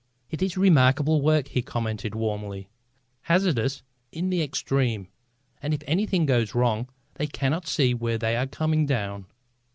"It is remarkable work," he commented warmly, "hazardous in the extreme; and if anything goes wrong they cannot see where they are coming down.